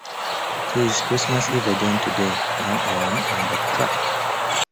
'Tis Christmas Eve again to day, and I am on the track.